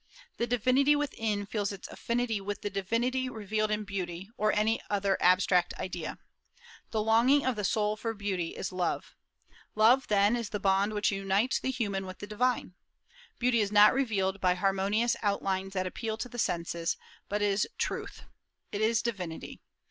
The divinity within feels its affinity with the divinity revealed in beauty, or any other abstract idea. The longing of the soul for beauty is love. Love, then, is the bond which unites the human with the divine. Beauty is not revealed by harmonious outlines that appeal to the senses, but is truth; it is divinity.